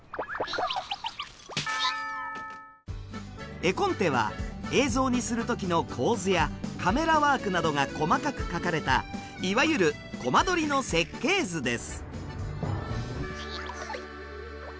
絵コンテは映像にする時の構図やカメラワークなどが細かく書かれたいわゆるコマ撮りの設計図です。